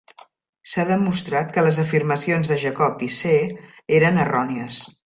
S'ha demostrat que les afirmacions de Jacob i See eren errònies.